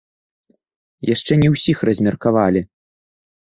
Яшчэ не ўсіх размеркавалі.